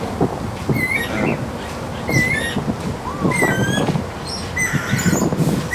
a lilikuwa tofauti sana na waziri mkuu winston churchhill